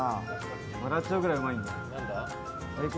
笑っちゃうくらいうまい？